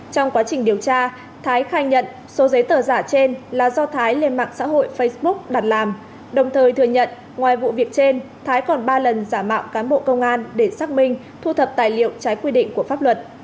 trong quá trình điều tra thái khai nhận số giấy tờ giả trên là do thái lên mạng xã hội facebook đặt làm đồng thời thừa nhận ngoài vụ việc trên thái còn ba lần giả mạo cán bộ công an để xác minh thu thập tài liệu trái quy định của pháp luật